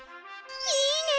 いいね！